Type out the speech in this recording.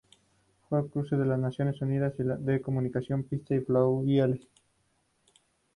Fue cruce de las Naciones Unidas de Comunicaciones pista y Fluviales.